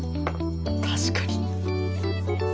確かに。